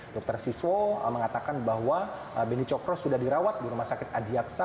dokter siswo mengatakan bahwa beni cokro sudah dirawat di rumah sakit adi aksa